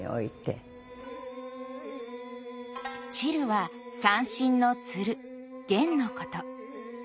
「絃」は三線のつる絃のこと。